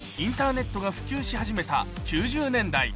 携帯電話やインターネットが普及し始めた９０年代。